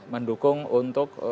mendukung untuk pelaksanaan